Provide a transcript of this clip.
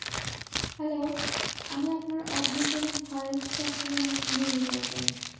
Hello, আমি আপনার অভ্যন্তরীণ ভয়েস-সক্রিয় নেভিগেটর।